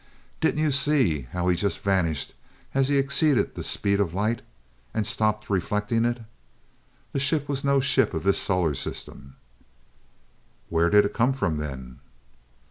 Didn't you see how he just vanished as he exceeded the speed of light, and stopped reflecting it? That ship was no ship of this solar system!" "Where did he come from then?"